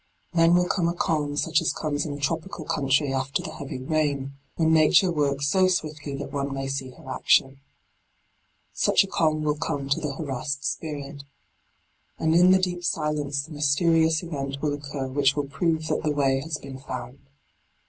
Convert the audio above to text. Then will come a calm such as comes in a tropical country after the heavy rain, when Nature works so swiftly that one may see her action. Such a calm will come to the harassed spirit. And in the deep silence the mysterious event will occur which will prove that the way has been found.